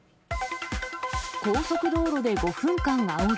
高速道路で５分間あおり。